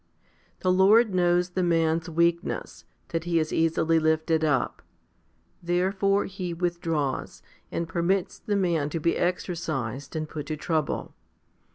The Lord knows the man's weakness, that he is easily lifted up. Therefore He withdraws, and permits the man to be exercised and put to trouble.